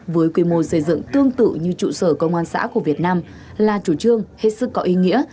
với quy mô xây dựng tương tự như trụ sở công an xã của việt nam là chủ trương hết sức có ý nghĩa